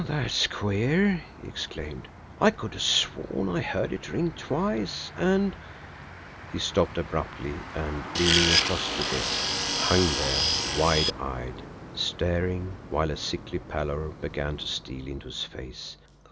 "That's queer!" he exclaimed. "I could have sworn I heard it ring twice, and " He stopped abruptly, and, leaning across the desk, hung there, wide eyed, staring, while a sickly pallor began to steal into his face.